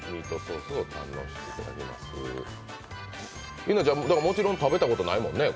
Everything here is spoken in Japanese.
イェナちゃん、もちろん食べたことないもんね？